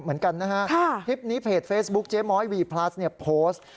เหมือนกันนะฮะคลิปนี้เพจเฟซบุ๊คเจ๊ม้อยวีพลัสเนี่ยโพสต์